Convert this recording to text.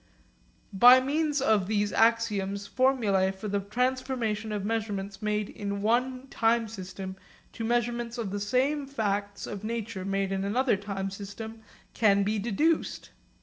By means of these axioms formulae for the transformation of measurements made in one time system to measurements of the same facts of nature made in another time system can be deduced.